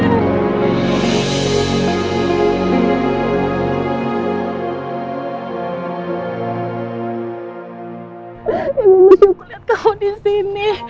emang bisa aku liat kamu di hati ini